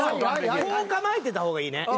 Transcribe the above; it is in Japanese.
こう構えてた方がいいね。